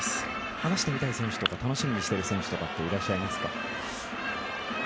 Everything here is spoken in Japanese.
話してみたい選手や楽しみにしている選手はいらっしゃいますか？